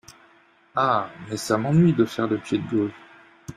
Ah ! mais, ça m'ennuie de faire le pied de grue.